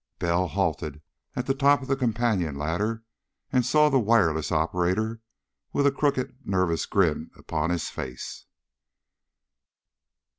Bell halted at the top of the companion ladder and saw the wireless operator, with a crooked, nervous grin upon his face.